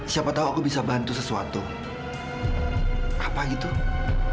siapa tau aku bisa ngobrol sama bu ambar tentang pernikahannya kamila